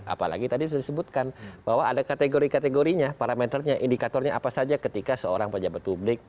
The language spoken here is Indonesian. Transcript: apalagi tadi sudah disebutkan bahwa ada kategori kategorinya parameternya indikatornya apa saja ketika seorang pejabat publik